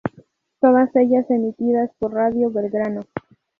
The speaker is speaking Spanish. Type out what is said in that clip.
Todas ellas emitidas por Radio Belgrano.